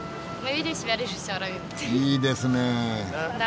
いいですね！